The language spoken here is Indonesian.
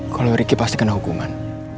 kalau ricky pasti kena hukuman